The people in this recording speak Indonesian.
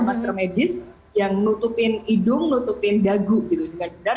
masker medis yang nutupin hidung nutupin dagu gitu dengan benar